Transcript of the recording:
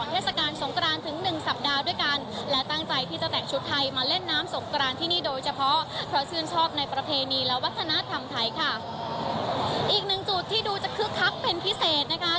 เทศกาลสงครานถึงหนึ่งสัปดาห์ด้วยกันและตั้งใจที่จะแต่งชุดไทยมาเล่นน้ำสงครานที่นี่โดยเฉพาะเพราะชื่นชอบในประเพณีและวัฒนธรรมไทยค่ะอีกหนึ่งจุดที่ดูจะคือคักเป็นพิเศษนะคะ